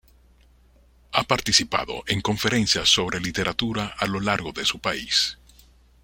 Ha participado en conferencias sobre literatura a lo largo de su país.